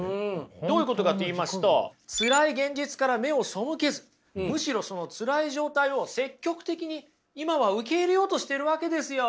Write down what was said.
どういうことかといいますと辛い現実から目を背けずむしろその辛い状態を積極的に今は受け入れようとしてるわけですよ。